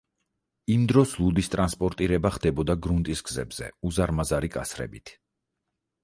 იმ დროს ლუდის ტრანსპორტირება ხდებოდა გრუნტის გზებზე უზარმაზარი კასრებით.